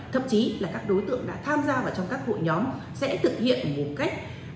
thậm chí là các đối tượng đã tham gia vào trong các hội nhóm sẽ thực hiện một cách bài bản hơn và thực hiện một cách liều lĩnh hơn nữa